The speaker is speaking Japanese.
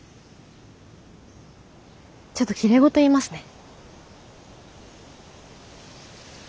ちょっときれい事言いますね。